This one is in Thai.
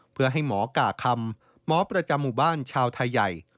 เพื่อให้หมอก่าคำหมอประจำหมู่บ้านชาวไทยใหญ่